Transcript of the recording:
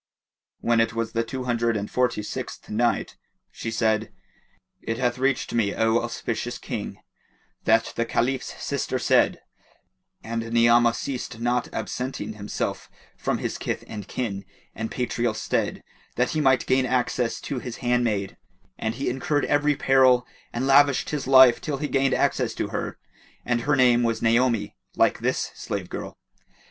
When it was the Two Hundred and Forty sixth Night, She said, It hath reached me, O auspicious King, that the Caliph's sister said, "And Ni'amah ceased not absenting himself from his kith and kin and patrial stead, that he might gain access to his handmaid, and he incurred every peril and lavished his life till he gained access to her, and her name was Naomi, like this slave girl.